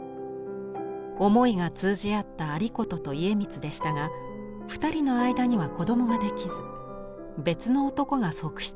思いが通じ合った有功と家光でしたが二人の間には子どもができず別の男が側室になることに。